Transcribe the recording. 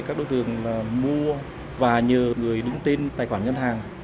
các đối tượng mua và nhờ người đứng tên tài khoản ngân hàng